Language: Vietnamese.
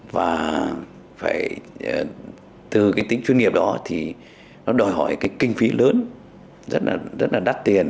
và từ tính chuyên nghiệp đó nó đòi hỏi kinh phí lớn rất là đắt tiền